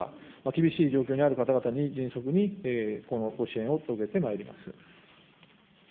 厳しい状況にある方々に迅速に、このご支援を届けてまいります。